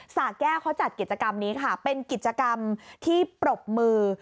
สาแก้วเขาจัดกิจกรรมนี้ค่ะเป็นกิจกรรมที่ปรบมือ